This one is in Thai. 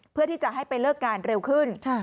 เพื่อที่จะให้ไปเลิกงานเร็วขึ้น